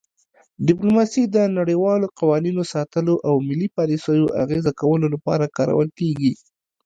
ډیپلوماسي د نړیوالو قوانینو ساتلو او ملي پالیسیو اغیزه کولو لپاره کارول کیږي